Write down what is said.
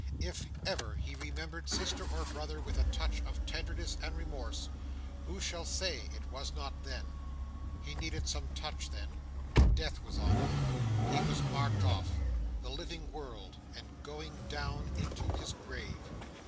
If ever he remembered sister or brother with a touch of tenderness and remorse, who shall say it was not then? He needed some such touch then. Death was on him. He was marked off—the living world, and going down into his grave.